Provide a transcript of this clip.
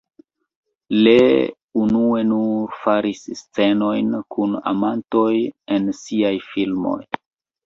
Lee unue nur faris scenojn kun amantoj en siaj filmoj.